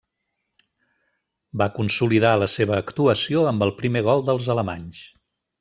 Va consolidar la seva actuació amb el primer gol dels alemanys.